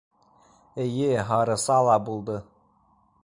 Эйе, Һарыса ла булды.